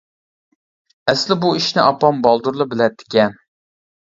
ئەسلى بۇ ئىشنى ئاپام بالدۇرلا بىلەتتىكەن.